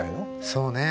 そうね。